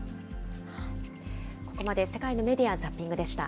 ここまで世界のメディア・ザッピングでした。